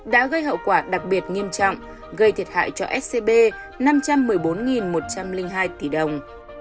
đã gây hậu quả đặc biệt nghiêm trọng gây thiệt hại cho scb năm trăm một mươi bốn một trăm linh hai tỷ đồng